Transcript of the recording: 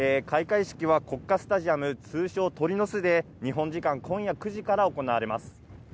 開会式は国家スタジアム、通称・鳥の巣で日本時間今夜９時から行われます。